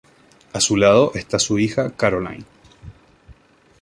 A su lado está su hija Caroline.